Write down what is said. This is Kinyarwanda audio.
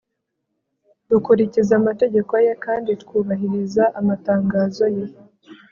dukurikiza amategeko ye kandi twubahiriza amatangazo ye